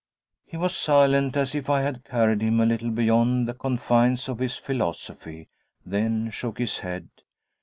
He was silent, as if I had carried him a little beyond the confines of his philosophy; then shook his head.